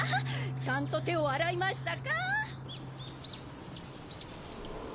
ちゃんと手を洗いましたかァ。